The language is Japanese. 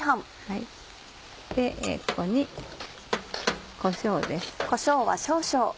ここにこしょうです。